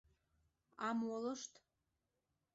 А молышт?